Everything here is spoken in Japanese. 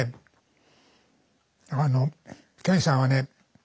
あの健さんはね